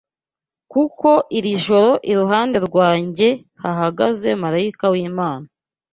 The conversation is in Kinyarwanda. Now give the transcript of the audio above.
kuko iri joro iruhande rwanjye hahagaze marayika w’Imana